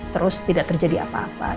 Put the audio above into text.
terus tidak terjadi apa apa